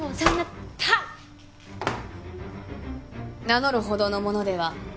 名乗るほどの者では。